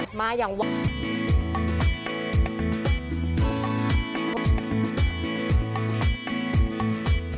ล่อมาล่อมาที่ไหว